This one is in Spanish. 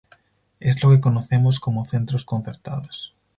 Es lo que conocemos como centros concertados.